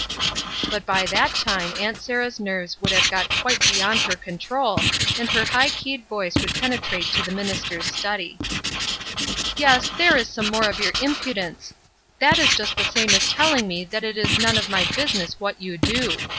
But by that time Aunt Sarah's nerves would have got quite beyond her control and her high keyed voice would penetrate to the mimster's study. JORAM PRATT 45 "Yes, there is some more of your impudence: that is just the same as telling me that it is none of my business what you do.